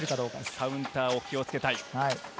カウンターに気を付けたい。